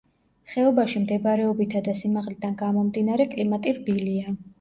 ხეობაში მდებარეობითა და სიმაღლიდან გამომდინარე, კლიმატი რბილია.